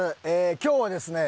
今日はですね